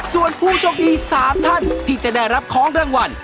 ส่วนผู้โชคดี๓ท่านที่จะได้รับของรางวัล